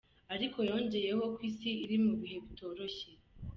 Ariko yongeyeho ko isi iri mu bihe bitoroshye.